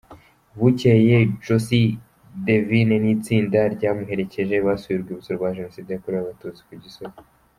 Bucyeye, Josh Devine n’itsinda ryamuherekeje basuye urwibutso rwa Jenoside yakorewe Abatutsi ku Gisozi.